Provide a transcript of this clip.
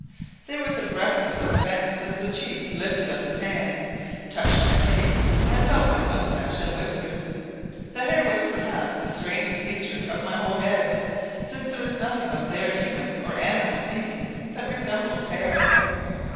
There was a breathless suspense as the chief lifted up his hands, touched my face, and felt my mustache and whiskers. The hair was perhaps the strangest feature of my whole head, since there is nothing on their human or animal species that resembles hair.